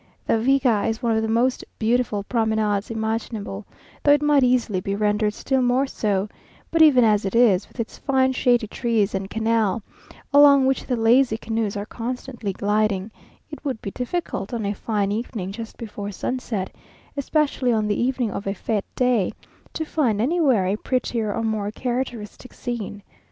The Viga is one of the most beautiful promenades imaginable, though it might easily be rendered still more so; but even as it is, with its fine shady trees and canal, along which the lazy canoes are constantly gliding, it would be difficult, on a fine evening, just before sunset, especially on the evening of a fête day, to find anywhere a prettier or more characteristic scene.